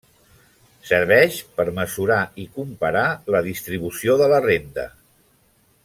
Serveix per mesurar i comparar la distribució de la renda.